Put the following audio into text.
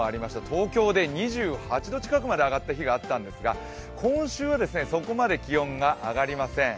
東京で２８度近く上がった日もあったんですが今週はそこまで気温が上がりません。